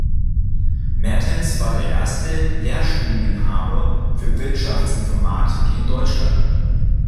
Mertens war der erste Lehrstuhlinhaber für Wirtschaftsinformatik in Deutschland.